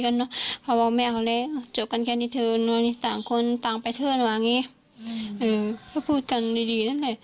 ขอขอขอกคุณสินะเขาบอกแม่ออกให้เจอกันแขนดิ